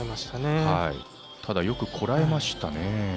ただ、よくこらえましたね。